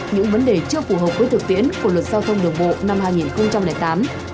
những vấn đề chưa phù hợp với thực tiễn của luật giao thông đường bộ năm hai nghìn tám